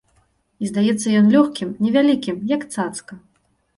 І здаецца ён лёгкім, невялікім, як цацка.